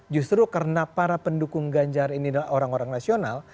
justru karena para pendukung ganjar ini orang orang rasional